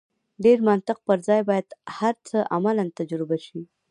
ډېر منطق پر ځای باید هر څه عملاً تجربه شي.